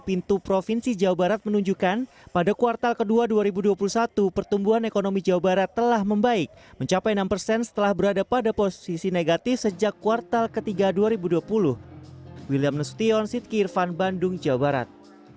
itu dibuka itu kemudian merusak lingkungan